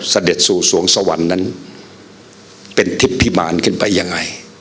เสด็จสู่สวงสวรรค์นั้นเป็นทิศพิมารขึ้นไปยังไง